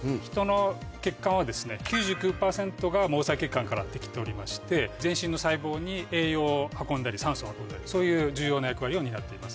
実は。からできておりまして全身の細胞に栄養を運んだり酸素を運んだりそういう重要な役割を担っています。